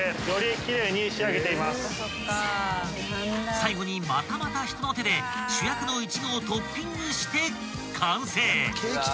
［最後にまたまた人の手で主役のイチゴをトッピングして完成］